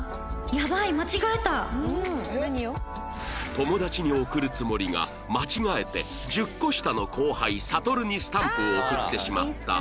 友達に送るつもりが間違えて１０個下の後輩サトルにスタンプを送ってしまったモモカ